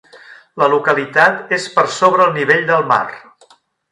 La localitat és per sobre el nivell del mar.